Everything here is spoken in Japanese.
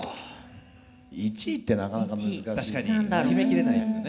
１位ってなかなか難しいですね。